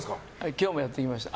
今日もやってきました。